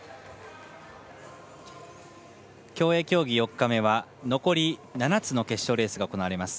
競泳競技４日目は残り７つの決勝レースが行われます。